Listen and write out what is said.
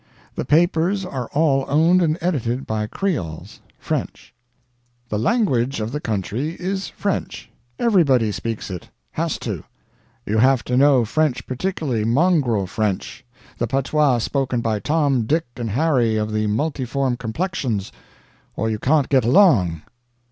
The papers are all owned and edited by creoles French. "The language of the country is French. Everybody speaks it has to. You have to know French particularly mongrel French, the patois spoken by Tom, Dick, and Harry of the multiform complexions or you can't get along.